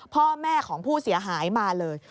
พ่อแม่ของผู้เสียหายมาเลย